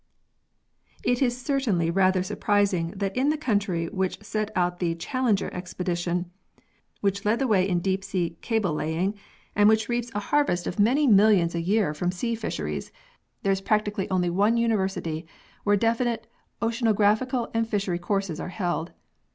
It is certainly rather surprising that in the country which sent out the Challenger Expedition, which led the way in deep sea cable laying, and which reaps a x] PEARLS AND SCIENCE 127 harvest of many millions a year from sea fisheries, there is practically only one university where definite oceanographical and fishery courses are held.